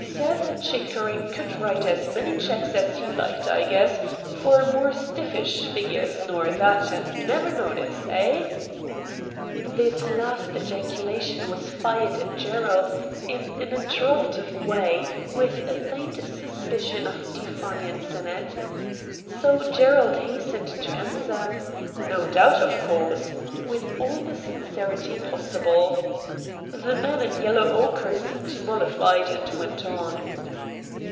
Seth Chickering could write as many cheques THE MAN FROM AFAR 45 as he liked, I guess, for more stiffish figures nor that and never notice. Eh ?' This last ejaculation was fired at Gerald in an interrogative way, with a faint suspi cion of defiance in it. So Gerald hastened to answer, 'Xo doubt, of course,' with all the sincerity possible. The man in yellow ochre seemed mollified, and went on.